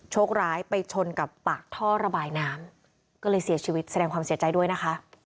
โชคร้ายไปชนกับปากท่อระบายน้ำก็เลยเสียชีวิตแสดงความเสียใจด้วยนะคะ